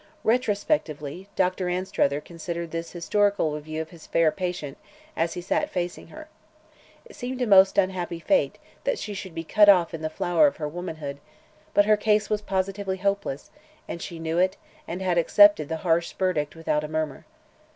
Retrospectively, Doctor Anstruther considered this historical revue of his fair patient as he sat facing her. It seemed a most unhappy fate that she should be cut off in the flower of her womanhood, but her case was positively hopeless, and she knew it and had accepted the harsh verdict without a murmur.